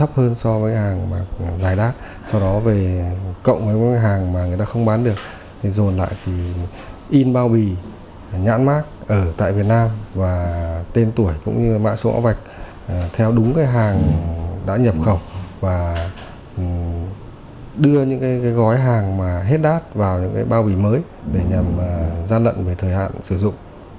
hàng mà người ta không bán được thì dồn lại thì in bao bì nhãn mát ở tại việt nam và tên tuổi cũng như mạng số mẫu vạch theo đúng cái hàng đã nhập khẩu và đưa những cái gói hàng mà hết đát vào những cái bao bì mới để nhằm ra lận về thời hạn sử dụng